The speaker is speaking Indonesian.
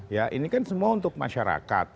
ya ini kan semua untuk masyarakat